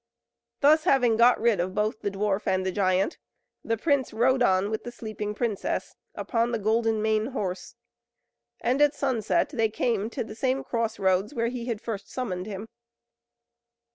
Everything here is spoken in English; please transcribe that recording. Thus having got rid of both the dwarf and the giant, the prince rode on with the sleeping princess, upon the Golden Mane horse, and at sunset they came to the same cross roads, where he had first summoned him.